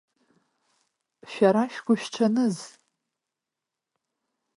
Шәара шәгәышәҽаныз…